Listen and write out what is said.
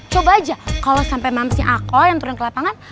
coba aja kalau sampai mamsnya aku yang turun ke lapangan